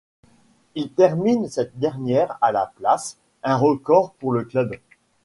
Ils terminent cette dernière à la place, un record pour le club.